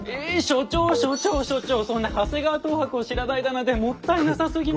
所長所長所長そんな長谷川等伯を知らないだなんてもったいなさすぎますよ！